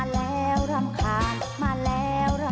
แต่พ่อก็จัดการ